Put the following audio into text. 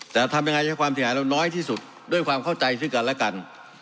แต่ทำยังไงให้ความเสียหายเราน้อยที่สุดด้วยความเข้าใจซึ่งกันและกัน